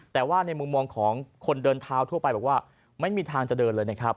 แต่ว่าในมุมมองของคนเดินเท้าทั่วไปบอกว่าไม่มีทางจะเดินเลยนะครับ